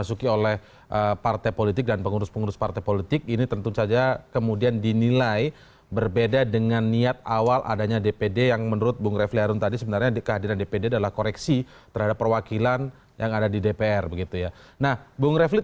untuk mengoreksi ketimpangan teori representasi yang ada di dpr